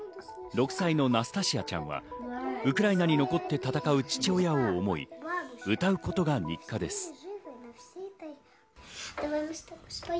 ６歳のナスタシアちゃんはウクライナに残って戦う父親を思い、歌うことが日課です。